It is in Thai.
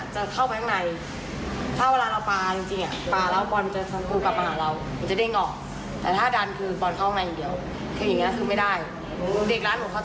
ใช่แล้วเดี๋ยวพี่เข้าปลาได้ผมบอกว่าผมเรียกอีกคนนอนกว่า